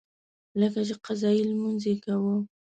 لکه چې قضایي لمونځ یې کاوه.